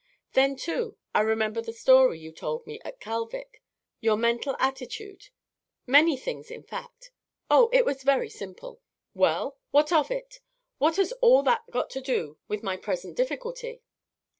Then, too, I remember the story you told me at Kalvik, your mental attitude many things, in fact. Oh, it was very simple." "Well, what of it? What has all that got to do with my present difficulty?"